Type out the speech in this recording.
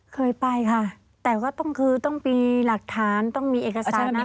เคยไปค่ะแต่ก็ต้องคือต้องมีหลักฐานต้องมีเอกสารนั้น